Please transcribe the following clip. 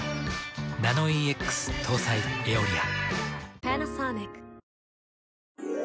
ナノイーＸ搭載「エオリア」。